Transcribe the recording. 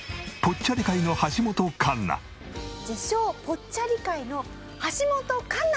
自称ぽっちゃり界の橋本環奈。